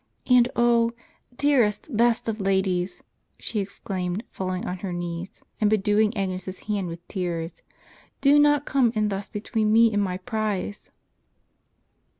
And oh, dearest, best of ladies," she exclaimed, falling on her knees and bedewing Agnes' s hand with tears, "do not come in thus between me and my prize."